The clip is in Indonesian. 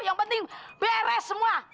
yang penting beres semua